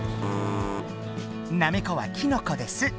なめこはきのこです。